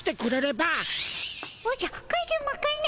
おじゃカズマかの？